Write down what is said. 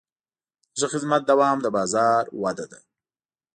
د ښه خدمت دوام د بازار وده ده.